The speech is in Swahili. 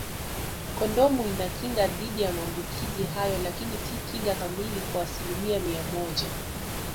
Kondomu inakinga dhidi ya maambukizi hayo lakini si kinga kamili kwa asilimia mia moja